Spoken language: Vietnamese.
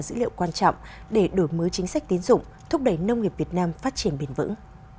dữ liệu quan trọng để đổi mới chính sách tín dụng thúc đẩy nông nghiệp việt nam phát triển bền vững